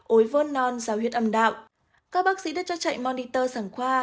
ối vơn non giáo huyết âm đạo các bác sĩ đã cho chạy monitor sẵn khoa